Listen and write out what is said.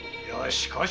しかし。